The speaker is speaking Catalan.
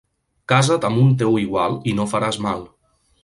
Casa't amb un teu igual i no faràs mal.